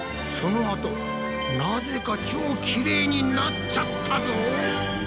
そのあとなぜか超キレイになっちゃったぞ！